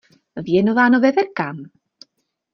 Věnováno Veverkám.